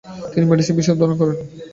তিনি মেডিসিন বিষয়ে অধ্যয়ন করেন।